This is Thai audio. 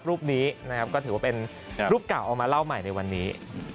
รูปนี้นะครับก็ถือว่าเป็นรูปเก่าเอามาเล่าใหม่ในวันนี้